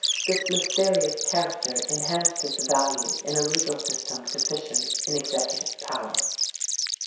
This mysterious character enhanced its value in a legal system deficient in executive power.